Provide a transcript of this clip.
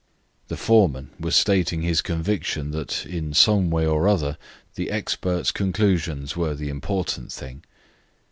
The foreman was stating his conviction, that in some way or other the expert's conclusions were the important thing.